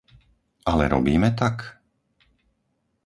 Ale robíme tak?